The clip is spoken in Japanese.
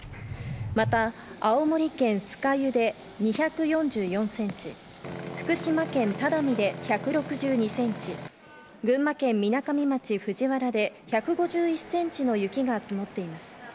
また、青森県酸ヶ湯で２４４センチ、福島県只見で１６２センチ、群馬県みなかみ町藤原で１５１センチの雪が積もっています。